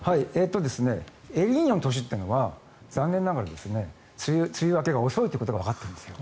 エルニーニョの年というのは残念ながら梅雨明けが遅いということがわかっているんです。